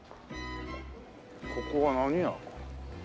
ここは何屋？